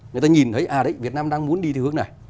người ta nhìn thấy à đấy việt nam đang muốn đi theo hướng này